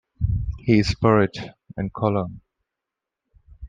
He is buried in Cologne.